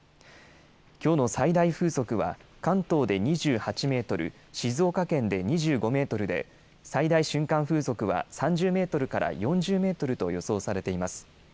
きょうの最大風速は、関東で２８メートル、静岡県で２５メートルで、最大瞬間風速は３０メートルから４０メートルと予想されています。